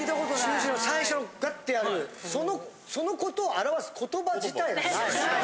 習字の最初のグッてやるそのことを表す言葉自体がない。